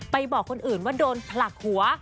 บอกคนอื่นว่าโดนผลักหัว